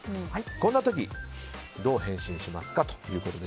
こんな時どう返信しますか。